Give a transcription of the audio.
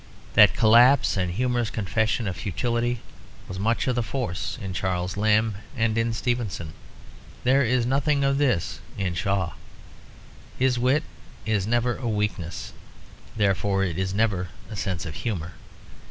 That collapse and humorous confession of futility was much of the force in Charles Lamb and in Stevenson. There is nothing of this in Shaw; his wit is never a weakness; therefore it is never a sense of humour.